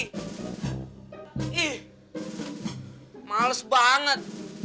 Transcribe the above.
ih males banget